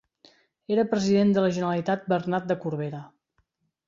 Era President de la Generalitat Bernat de Corbera.